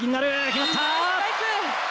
決まった！